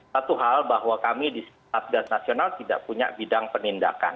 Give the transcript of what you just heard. satu hal bahwa kami di satgas nasional tidak punya bidang penindakan